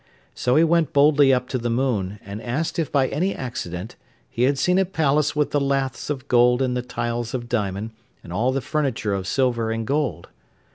So he went boldly up to the moon, and asked if by any accident he had seen a palace with the laths of gold and the tiles of diamond, and all the furniture of silver and gold.